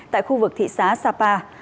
tại khu vực thị xá sapa